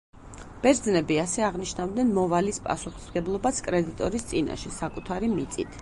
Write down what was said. ბერძნები ასე აღნიშნავდნენ მოვალის პასუხისმგებლობას კრედიტორის წინაშე საკუთარი მიწით.